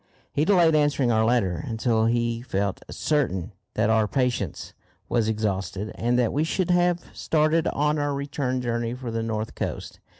He delayed answering our letter until he felt certain that our patience was exhausted, and that we should have started on our return journey for the north coast.